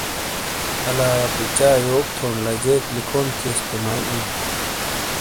الا پچا یوک تھون لا جیک لکھون تھیئس تو مائی ایں ۔